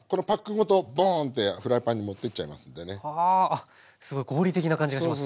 あっすごい合理的な感じがします。